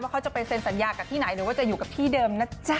เขาจะไปเซ็นสัญญากับที่ไหนหรือว่าจะอยู่กับที่เดิมนะจ๊ะ